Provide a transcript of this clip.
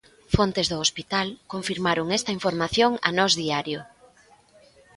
Fontes do hospital, confirmaron esta información a Nós Diario.